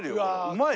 うまい。